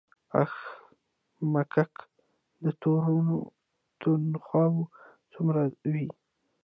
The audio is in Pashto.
آ ښه مککه، د تورن تنخواه څومره وي؟